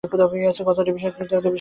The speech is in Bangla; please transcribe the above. কথাটা বিশ্বাস করিতে এত বিস্ময় বোধ হয়।